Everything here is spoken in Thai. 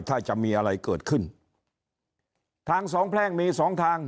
ถ้าจะมีอะไรเกิดขึ้นทางสองแพร่งมีสองทาง